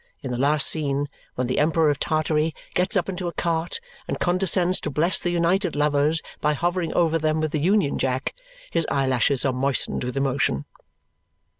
In the last scene, when the Emperor of Tartary gets up into a cart and condescends to bless the united lovers by hovering over them with the Union Jack, his eyelashes are moistened with emotion.